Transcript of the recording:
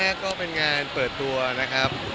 ก็วันนี้นะครับก็เป็นงานเปิดตัวนะครับ